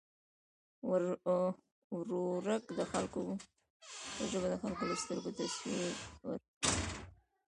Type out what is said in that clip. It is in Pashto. ورورک د خلکو په ژبه د خلکو له سترګو تصویر ورکړ.